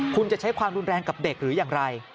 คุณจะใช้ความรุนแรงกับเด็กหรืออย่างไร